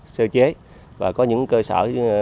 sơ chế và có những cơ sở